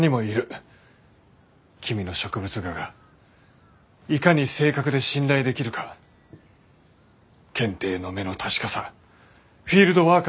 君の植物画がいかに正確で信頼できるか検定の目の確かさフィールドワーカーとしての強さ。